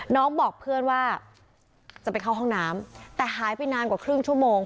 น้องบอกเพื่อนว่าจะไปเข้าห้องน้ำแต่หายไปนานกว่าครึ่งชั่วโมง